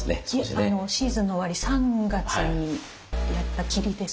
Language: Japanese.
いえシーズンの終わり３月にやったきりですけど。